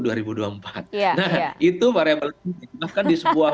itu variable variable penting bahkan di sebuah